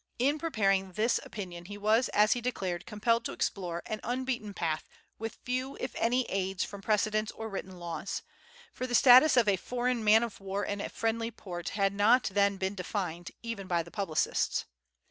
In preparing this opinion he was, as he declared, compelled to explore "an unbeaten path, with few, if any, aids from precedents or written laws;" for the status of a foreign man of war in a friendly port had not then been defined, even by the publicists.